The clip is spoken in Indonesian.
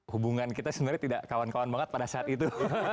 hubungan kita sebenarnya tidak kawan kawan banget pada saat itu